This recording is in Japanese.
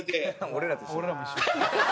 俺らと一緒。